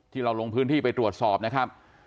เราลงพื้นที่ไปตรวจสอบนะครับ